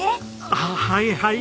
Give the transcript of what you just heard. ああはいはい。